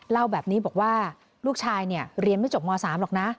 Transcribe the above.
เล่าแบบนี้บอกว่าลูกชายเนี่ยเรียนไม่จบม๓หรอกนะ